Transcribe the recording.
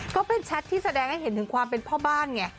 ก็เป็นแชทที่แสดงให้เห็นถึงความเป็นพ่อบ้านไง